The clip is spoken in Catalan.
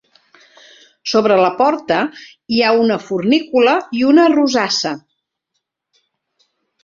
Sobre la porta hi ha una fornícula i una rosassa.